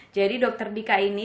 jadi dokter dika ini